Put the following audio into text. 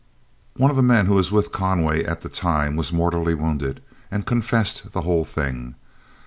One of the men who was with Conway at the time was mortally wounded, and confessed the whole thing.